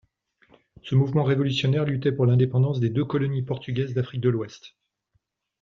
Ce mouvement révolutionnaire luttait pour l'indépendance des deux colonies portugaises d'Afrique de l'Ouest.